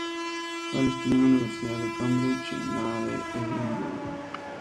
Hall estudió en la Universidad de Cambridge y en la de Edimburgo.